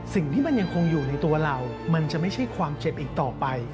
สิ่งที่มันยังคงอยู่ในตัวเรามันจะไม่ใช่ความเจ็บอีกต่อไป